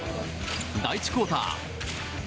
第１クオーター。